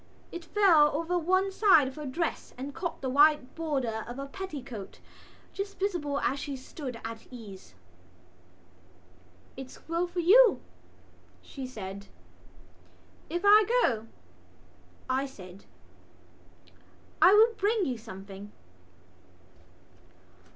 It fell over one side of her dress and caught the white border of a petticoat, just visible as she stood at ease. "It's well for you," she said. "If I go," I said, "I will bring you something."